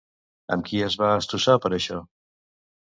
Amb qui es va estossar per això?